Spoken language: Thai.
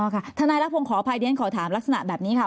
อ๋อค่ะทนายรักพงษ์ขออภัยเดี๋ยวขอถามลักษณะแบบนี้ค่ะ